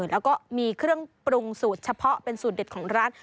แล้วก็มีเครื่องปรุงสูตรเฉพาะเป็นสูตรเด็ดของร้าน